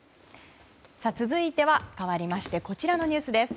続いては、かわりましてこちらのニュースです。